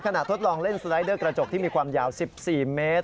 ทดลองเล่นสไลเดอร์กระจกที่มีความยาว๑๔เมตร